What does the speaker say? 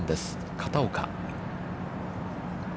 片岡。